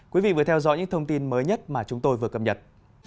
quý vị vừa theo dõi những thông tin mới nhất mà chúng tôi vừa cập nhật